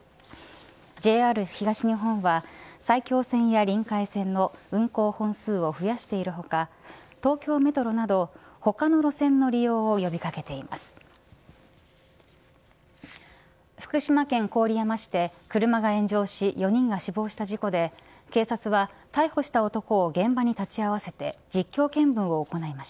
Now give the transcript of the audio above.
ＪＲ東日本は埼京線やりんかい線の運行本数を増やしている他東京メトロなど他の路線の利用を呼び掛けています。